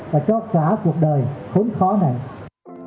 và cho cả cuộc đời khốn khó này